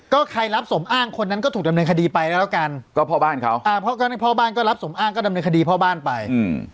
ก็ใครรับสมอ้างคนนั้นก็ถูกดำเนินคดีไปแล้วแล้วกันก็พ่อบ้านเขาอ่าพ่อก็พ่อบ้านก็รับสมอ้างก็ดำเนินคดีพ่อบ้านไปอืม